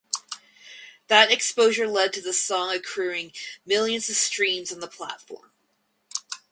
That exposure led to the song accruing millions of streams on the platform.